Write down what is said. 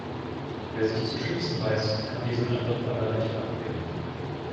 Wer sich zu schützen weiß, kann diesen Angriff aber leicht abwehren.